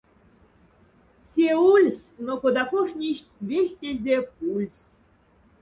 Ся ульсь, но кода корхнихть, вельхтязе пульсь.